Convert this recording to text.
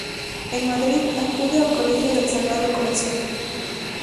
En Madrid acude al Colegio del Sagrado Corazón.